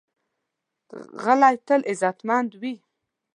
غلی، تل عزتمند وي.